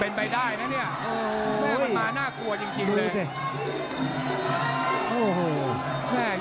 มางั้นมันน่ากลัวจริงเลย